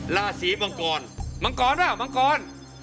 ลาศรีมังกรมังกรหรือเปล่ามังกร